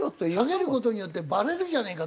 下げる事によってバレるじゃねえかって。